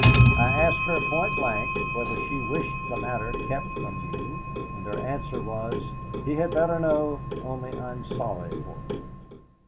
I asked her point blank whether she wished the matter kept from you, and her answer was, 'He had better know only I'm sorry for him.'